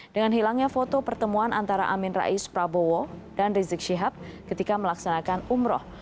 dengan hilangnya foto pertemuan antara amin rais prabowo dan rizik syihab ketika melaksanakan umroh